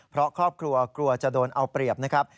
เพราะครอบครัวกลัวจะโดนเอาเปรียบนะครับ